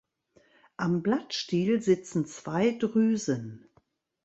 Am Blattstiel sitzen zwei Drüsen.